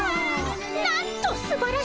なんとすばらしい！